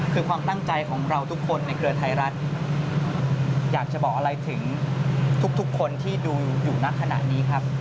คือความตั้งใจของเราทุกคนในเครือไทยรัฐอยากจะบอกอะไรถึงทุกคนที่ดูอยู่ณขณะนี้ครับ